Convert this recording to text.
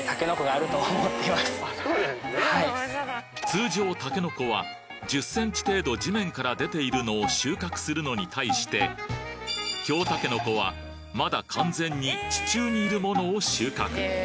通常たけのこは１０ｃｍ程度地面から出ているのを収穫するのに対して京たけのこはまだ完全に地中にいるものを収穫！